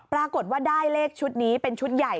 ปรากฏว่าได้เลขชุดนี้เป็นชุดใหญ่